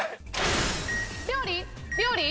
料理料理。